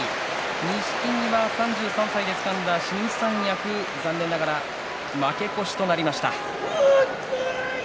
錦木は３３歳でつかんだ新三役残念ながら負け越しとなりました。